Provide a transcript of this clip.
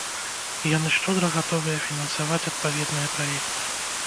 І яны шчодра гатовыя фінансаваць адпаведныя праекты.